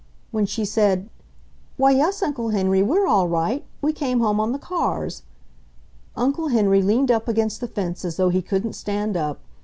When she said, "Why, yes, Uncle Henry, we're all right. We came home on the cars," Uncle Henry leaned up against the fence as though he couldn't stand up.